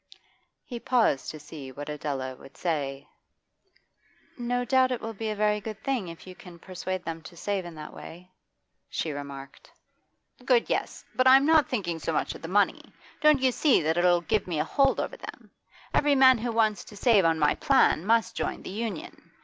He paused to see what Adela would say. 'No doubt it will be a very good thing if you can persuade them to save in that way,' she remarked. 'Good, yes; but I'm not thinking so much of the money. Don't you see that it'll give me a hold over them? Every man who wants to save on my plan must join the Union.